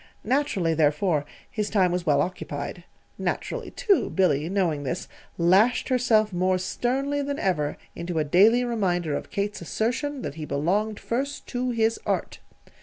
Naturally, therefore, his time was well occupied. Naturally, too, Billy, knowing this, lashed herself more sternly than ever into a daily reminder of Kate's assertion that he belonged first to his Art.